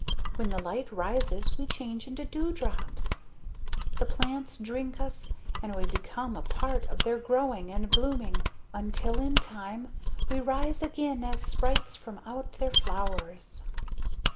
When the light rises we change into dew drops. The plants drink us and we become a part of their growing and blooming until in time we rise again as sprites from out their flowers."